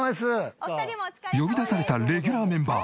呼び出されたレギュラーメンバー。